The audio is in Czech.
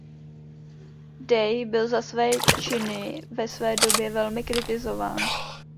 Day byl za své činy ve své době velmi kritizován.